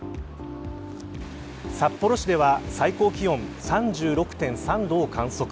札幌市では最高気温３６．３度を観測。